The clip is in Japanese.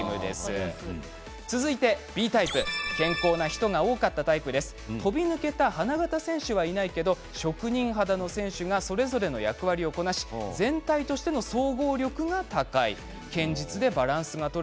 健康な人が多かったＢタイプ飛び抜けた花形選手はいないけど職人肌の選手がそれぞれの役割をこなし全体としての総合力が高いチーム。